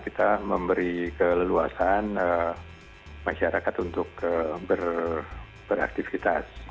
kita memberi keleluasan masyarakat untuk beraktivitas